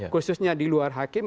khususnya di luar hakim